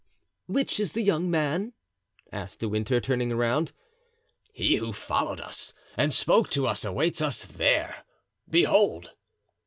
"Which is the young man?" asked De Winter, turning around. "He who followed us and spoke to us awaits us there; behold!"